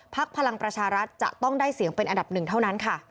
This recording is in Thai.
พลังประชารัฐจะต้องได้เสียงเป็นอันดับหนึ่งเท่านั้นค่ะ